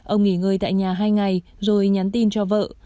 ông nghỉ ngơi tại nhà hai ngày rồi nhắn tin cho vợ